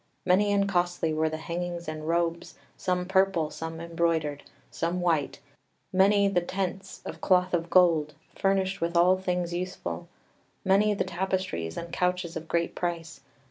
Many and costly were the hangings and robes, some purple, some embroidered, some white; many the tents, of cloth of gold, furnished with all things useful; many the tapestries and couches of great price.